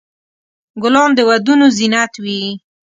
ګلان د ودونو زینت وي.